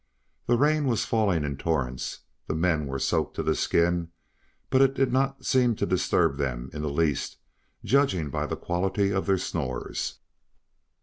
The rain was falling in torrents. The men were soaked to the skin, but it did not seem to disturb them in the least, judging by the quality of their snores.